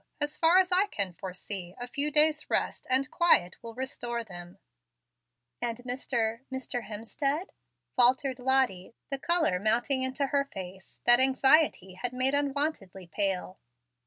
As far as I can foresee, a few days' rest and quiet will quite restore them." "And Mr. Mr. Hemstead?" faltered Lottie, the color mounting into her face, that anxiety had made unwontedly pale.